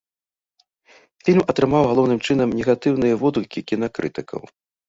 Фільм атрымаў галоўным чынам негатыўныя водгукі кінакрытыкаў.